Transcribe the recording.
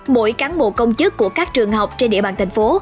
mỗi cán bộ công chức của các trường học trên địa bàn thành phố